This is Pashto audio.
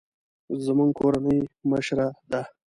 زموږ کورنۍ مشره ده